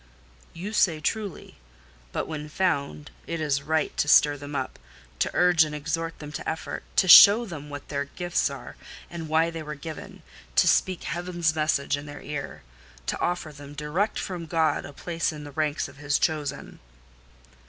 "You say truly; but when found, it is right to stir them up—to urge and exhort them to the effort—to show them what their gifts are, and why they were given—to speak Heaven's message in their ear,—to offer them, direct from God, a place in the ranks of His chosen."